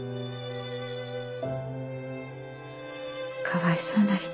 かわいそうな人。